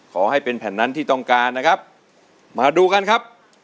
ขอให้เป็นแผ่นนั้นที่ต้องการนะครับมาดูกันครับ